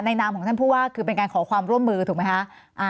นามของท่านผู้ว่าคือเป็นการขอความร่วมมือถูกไหมคะ